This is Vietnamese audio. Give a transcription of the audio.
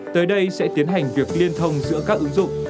tới đây sẽ tiến hành việc liên thông giữa các ứng dụng